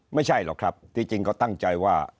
ไม่ใช่หรอกครับที่จริงก็ตั้งใจว่า